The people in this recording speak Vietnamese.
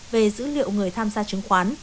về dữ liệu người tham gia chứng khoán